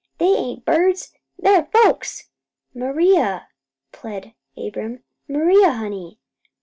They ain't birds! They're folks!" "Maria," pled Abram, "Maria, honey."